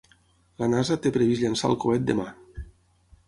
La NASA té previst llançar el coet demà.